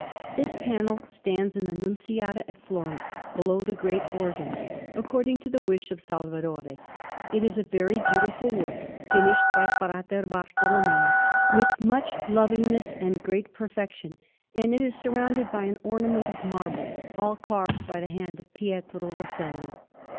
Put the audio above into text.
This panel stands in the Nunziata at Florence, below the great organ, according to the wish of Salvadore; it is a very beautiful work, finished by Fra Bartolommeo with much lovingness and great perfection; and it is surrounded by an ornament of marble, all carved by the hand of Pietro Rosselli.